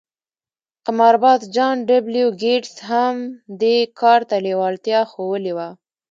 قمارباز جان ډبلیو ګیټس هم دې کار ته لېوالتیا ښوولې وه